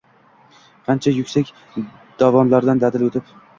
Qancha yuksak dovonlardan dadil o‘tib